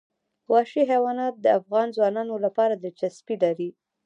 وحشي حیوانات د افغان ځوانانو لپاره دلچسپي لري.